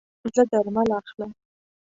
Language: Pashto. زه درمل اخلم